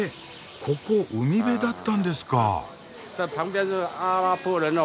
ここ海辺だったんですか？